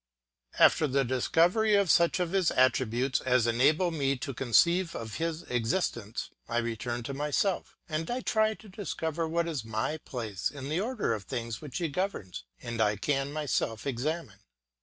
After the discovery of such of his attributes as enable me to conceive of his existence, I return to myself, and I try to discover what is my place in the order of things which he governs, and I can myself examine.